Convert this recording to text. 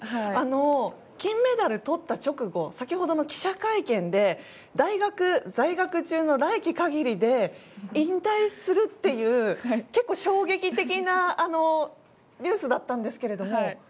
金メダルをとった直後先ほどの記者会見で大学在学中の来季限りで引退するという結構、衝撃的なニュースだったんですけれども。